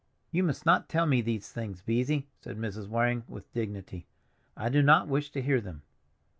"You must not tell me these things, Beesy," said Mrs. Waring with dignity. "I do not wish to hear them.